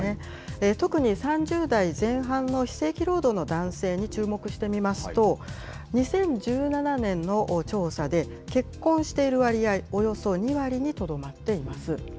特に３０代前半の非正規労働の男性に注目して見ますと、２０１７年の調査で、結婚している割合、およそ２割にとどまっています。